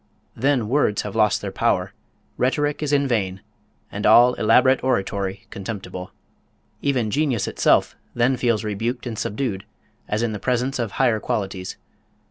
Then words have lost their power, rhetoric is in vain, and all elaborate oratory contemptible. Even genius itself then feels rebuked and subdued, as in the presence of higher qualities.